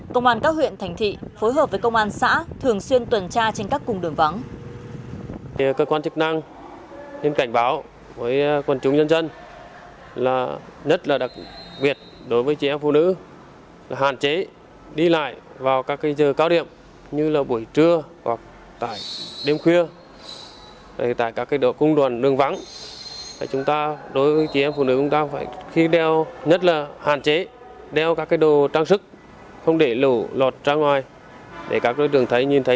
công an các huyện thành thị phối hợp với công an xã thường xuyên tuần tra trên các cung đường vắng